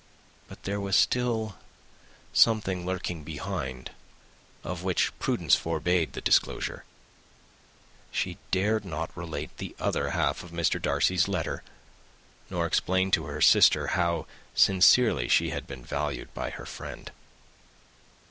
But there was still something lurking behind, of which prudence forbade the disclosure. She dared not relate the other half of Mr. Darcy's letter, nor explain to her sister how sincerely she had been valued by his friend.